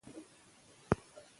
پوښتنه وکړه که نه پوهېږې.